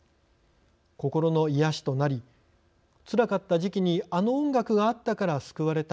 心の癒やしとなり「つらかった時期にあの音楽があったから救われた」